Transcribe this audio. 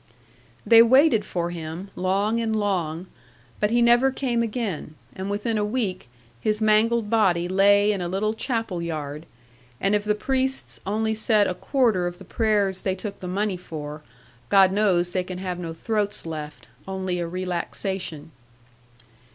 'They waited for him, long and long; but he never came again; and within a week, his mangled body lay in a little chapel yard; and if the priests only said a quarter of the prayers they took the money for, God knows they can have no throats left; only a relaxation.